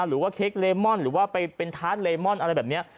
หรือเค้กลีมอนหรือถาดลีมอนอะไรแบบนี้